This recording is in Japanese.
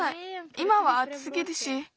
いまはあつすぎるし。